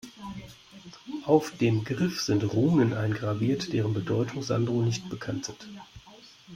Auf dem Griff sind Runen eingraviert, deren Bedeutung Sandro nicht bekannt sind.